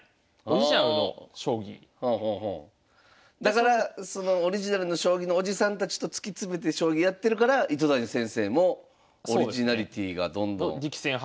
だからだからオリジナルの将棋のおじさんたちと突き詰めて将棋やってるから糸谷先生もオリジナリティーがどんどん。